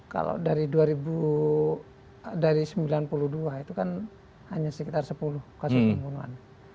kalau dari sembilan puluh dua itu kan hanya sekitar sepuluh kasus pembunuhan